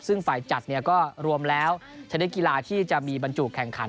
ซึ่งฝ่ายจัดเนี่ยก็รวมแล้วชนิดกีฬาที่จะมีบรรจุแข่งขัน